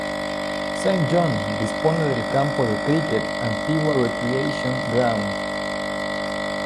Saint John dispone del campo de críquet Antigua Recreation Ground.